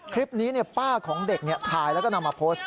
คลิปนี้เนี่ยป้าของเด็กเนี่ยถ่ายแล้วก็นำมาโพสต์